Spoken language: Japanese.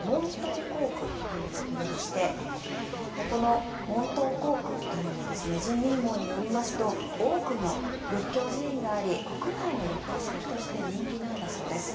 門頭溝区というところでしてこの門頭溝区というのは人民網によりますと多くの仏教寺院があり国内の旅行先として人気なんだそうです。